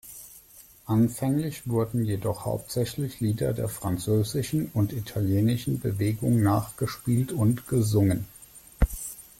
Anfänglich wurden jedoch hauptsächlich Lieder der französischen und italienischen Bewegung nachgespielt und gesungen.